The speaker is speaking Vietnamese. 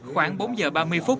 khoảng bốn giờ ba mươi phút